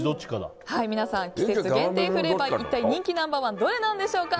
皆さん季節限定フレーバーの人気ナンバー１はどれなんでしょうか。